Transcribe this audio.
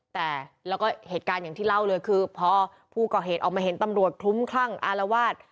แต่แล้วก็เหตุการณ์อย่างที่เล่าเลยคือพอผู้ก่อเหตุออกมาเห็นตำรวจคลุ้มคลั่งอารวาส